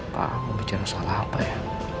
pak agung bicara soal apa ya